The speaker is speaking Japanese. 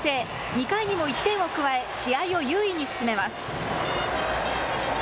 ２回にも１点を加え試合を優位に進めます。